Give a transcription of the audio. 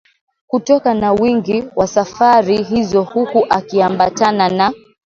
kutoka na wingi wa safari hizo huku akiambatana na